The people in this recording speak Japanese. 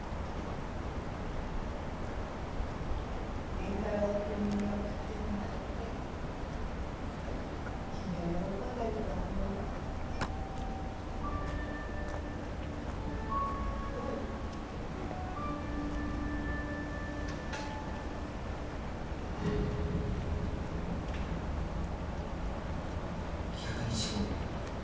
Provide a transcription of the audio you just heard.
林太郎君に見送ってもらって金魚喜んでると思うようん１００日後